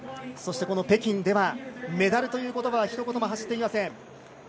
そして、この北京ではメダルということばはひと言も発していません。